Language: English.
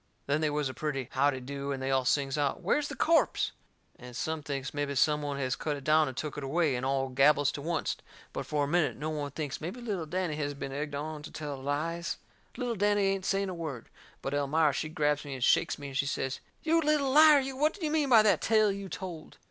Then they was a pretty howdy do, and they all sings out: "Where's the corpse?" And some thinks mebby some one has cut it down and took it away, and all gabbles to oncet. But for a minute no one thinks mebby little Danny has been egged on to tell lies. Little Danny ain't saying a word. But Elmira she grabs me and shakes me and she says: "You little liar, you, what do you mean by that tale you told?"